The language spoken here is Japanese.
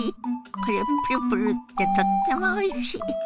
これプルプルッてとってもおいしい。